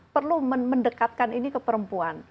perlu mendekatkan ini ke perempuan